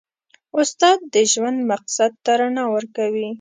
استاد د ژوند مقصد ته رڼا ورکوي.